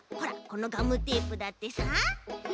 このガムテープだってさ。